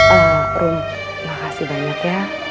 ee rom makasih banyak ya